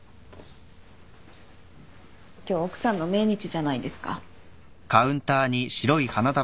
今日奥さんの命日じゃないですか。